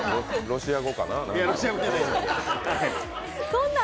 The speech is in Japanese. ロシア語かな？